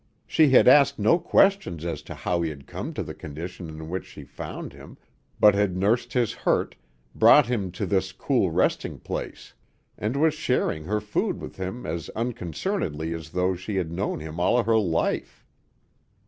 She had asked no questions as to how he had come to the condition in which she found him, but had nursed his hurt, brought him to this cool resting place; and was sharing her food with him as unconcernedly as though she had known him all her life.